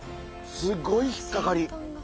すごい引っかかり。